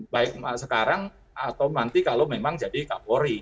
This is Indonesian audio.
baik sekarang atau nanti kalau memang jadi kapolri